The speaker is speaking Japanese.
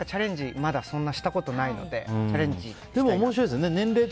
まだそんなにしたことがないのでチャレンジしたいなと。